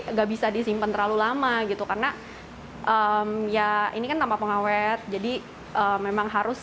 enggak bisa disimpan terlalu lama gitu karena ya ini kan tanpa pengawet jadi memang harus